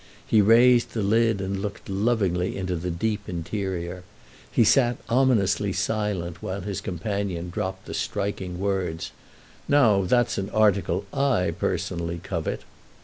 He raised the lid and looked lovingly into the deep interior; he sat ominously silent while his companion dropped the striking words: "Now that's an article I personally covet!"